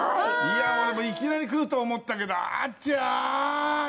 俺もいきなりくると思ったけどあちゃ！